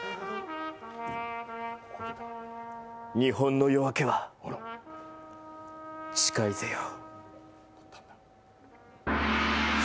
日本の夜明けは、近いぜよ。